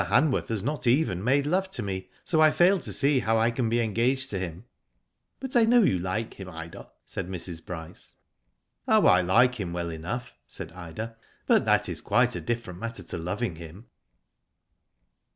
Hanworth has not even made love to me, so I fail to see how I can be engaged to him." '* But I know you like him, Ida," said Mrs. Bryce. "Oh, I like him well enough,'^ said Ida, "but that is quite a different matter to loving him."